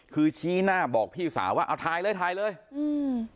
คือชี้หน้าบอกพี่สาวว่าเอาถ่ายเลยถ่ายเลยอืม